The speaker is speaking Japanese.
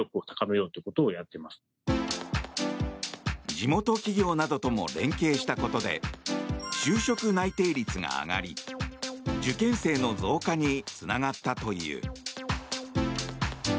地元企業などとも連携したことで就職内定率が上がり受験生の増加につながったという。